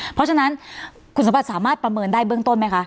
เพราะฉะนั้นคุณสมบัติสามารถประเมินได้เบื้องต้นไหมคะ